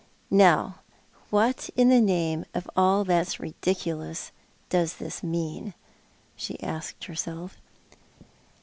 " Now, what in the name of all tliat's ridiculous, does this mean ?" she asked herself.